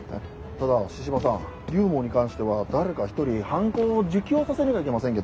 ただ神々さん龍門に関しては誰か一人犯行を自供させなきゃいけませんけどね。